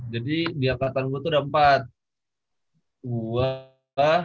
jadi di angkatan gue tuh ada empat